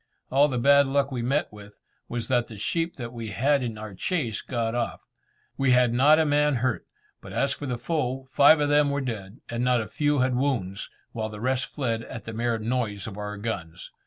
All the bad luck we met with, was that the sheep that we had in chase got off. We had not a man hurt, but as for the foe, five of them were dead, and not a few had wounds, while the rest fled at the mere noise of our guns.